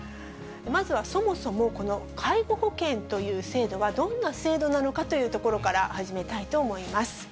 まずはそもそもこの介護保険という制度はどんな制度なのかというところから始めたいと思います。